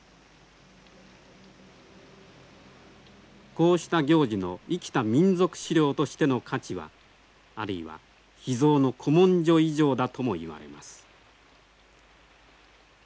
こうした行事の生きた民俗資料としての価値はあるいは秘蔵の古文書以上だともいわれます。